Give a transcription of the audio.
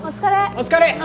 お疲れ。